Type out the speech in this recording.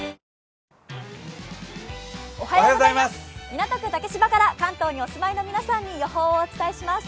港区竹芝から関東にお住まいの皆さんに天気をお伝えします。